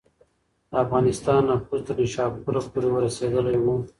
د افغانستان نفوذ تر نیشاپوره پورې رسېدلی و.